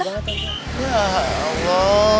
ya enggak apa apa